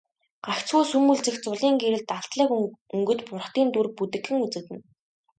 Гагцхүү сүүмэлзэх зулын гэрэлд алтлаг өнгөт бурхдын дүр бүдэгхэн үзэгдэнэ.